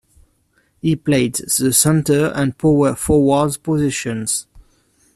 He played the center and power forward positions.